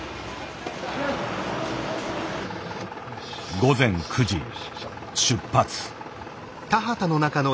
午前９時出発。